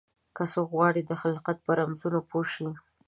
که څوک غواړي د خلقت په رمزونو پوه شي.